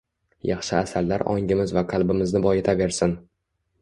Yaxshi asarlar ongimiz va qalbimizni boyitaversin